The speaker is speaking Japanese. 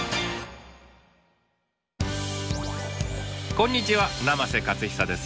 こんにちは生瀬勝久です。